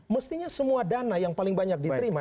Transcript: mestinya semua dana yang paling banyak diterima